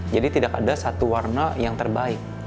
jadi tidak ada satu warna yang terbaik